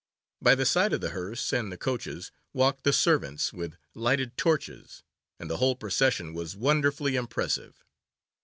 By the side of the hearse and the coaches walked the servants with lighted torches, and the whole procession was wonderfully impressive.